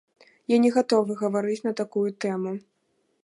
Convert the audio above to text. Я не гатовы гаварыць на такую тэму.